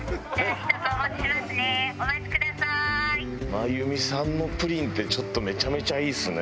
真由美さんのプリンってちょっとめちゃめちゃいいですね。